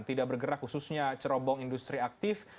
tidak bergerak khususnya cerobong industri aktif